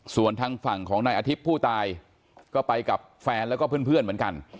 ส่วนทางฝั่งของนายอาทิตย์ผู้ตายก็ไปกับแฟนแล้วก็เพื่อนเหมือนกัน